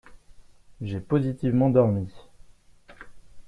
J’ai positivement dormi…